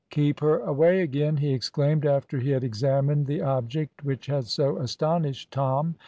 "Keep her away again!" he exclaimed, after he had examined the object which had so astonished Tom.